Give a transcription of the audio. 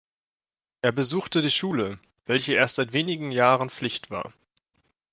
Er besuchte die Schule, welche erst seit wenigen Jahren Pflicht war.